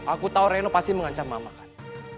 aku tahu reno pasti mengancam mama kan